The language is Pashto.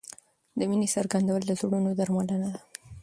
د مینې څرګندول د زړونو درملنه ده.